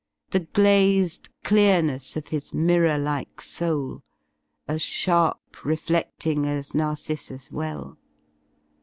The glared clearness of his mirror like soul. As sharp refleding as Narcissus* well?